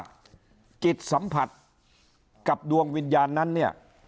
จิตสัมผัสกับดวงวิญญาณนั้นเนี่ย